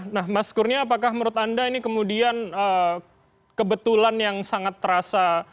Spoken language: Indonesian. nah mas kurnia apakah menurut anda ini kemudian kebetulan yang sangat terasa